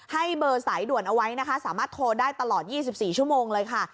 ให้เบอร์สายด่วนเอาไว้นะคะสามารถโทรได้ตลอด๒๔ชั่วโมงเลยค่ะ